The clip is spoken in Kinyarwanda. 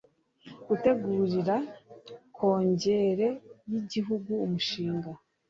Gutegurira Kongere y Igihugu umushinga